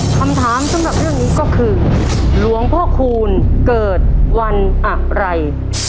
คำถามสำหรับเรื่องนี้ก็คือหลวงพ่อคูณเกิดวันอะไร